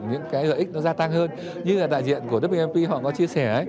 những cái hợp ích nó gia tăng hơn như là đại diện của wmp họ có chia sẻ